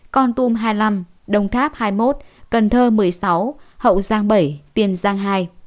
con tum hai mươi năm đồng tháp hai mươi một cần thơ một mươi sáu hậu giang bảy tiền giang hai